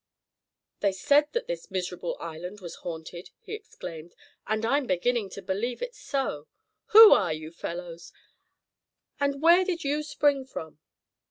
"They said that this miserable island was haunted," he exclaimed, "and I'm beginning to believe it's so. Who are you, fellows, and where did you spring from?"